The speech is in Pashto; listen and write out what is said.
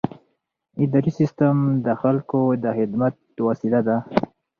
اداري سیستم د خلکو د خدمت وسیله ده.